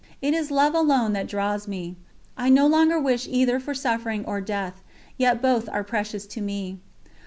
It is Love alone that draws me. I no longer wish either for suffering or death, yet both are precious to me.